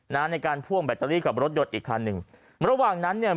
ในการพ่วงแบตเตอรี่กับรถยนต์อีกคันหนึ่งระหว่างนั้นเนี่ย